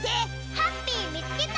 ハッピーみつけた！